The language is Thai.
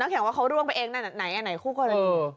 นักแข่งว่าเขาร่วมไปเองนั่นไหนคู่กรณี